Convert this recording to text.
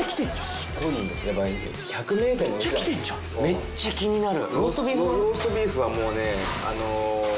めっちゃ気になる！